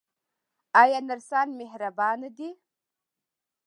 آیا نرسان مهربان دي؟